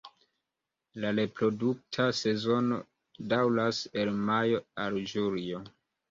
La reprodukta sezono daŭras el majo al julio.